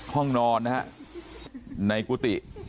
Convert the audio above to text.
ห้องนอนนะฮะในกุฏิ